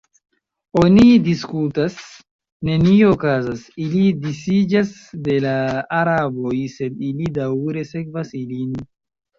Oni diskutas, nenio okazas, ili disiĝas de la araboj, sed ili daŭre sekvas ilin.